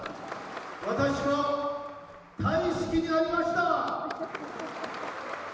私は大好きになりました。